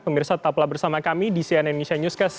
pemirsa tetaplah bersama kami di cnn indonesia newscast